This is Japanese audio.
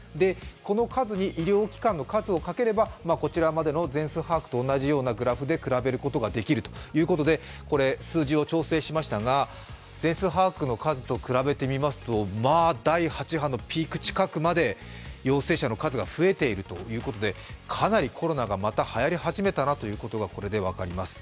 この数に医療機関の数をかければ、こちらまでの全数把握と同じようなグラフで比べることができるということで、数字を調整しましたが、全数把握の数と比べますと第８波のピーク近くまで陽性者の数が増えているということでかなりコロナがまた、はやり始めたなということが、これで分かります。